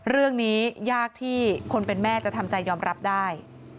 เรื่องนี้ยากที่คนเป็นแม่จะทำใจยอมรับได้